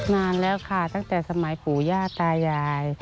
นานแล้วค่ะตั้งแต่สมัยปู่ย่าตายาย